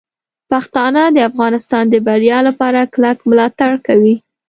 پښتانه د افغانستان د بریا لپاره کلک ملاتړ کوي.